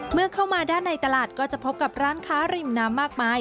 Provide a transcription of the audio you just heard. เมื่อเข้ามาด้านในตลาดก็จะพบกับร้านค้าริมน้ำมากมาย